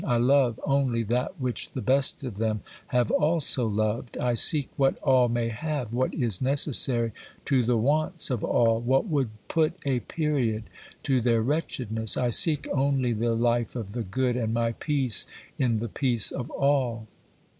I love only that which the best of them have also loved ; I seek what all may have, what is necessary to the wants of all, what 22 OBERMANN would put a period to their wretchedness ; I seek only the life of the good, and my peace in the peace of all.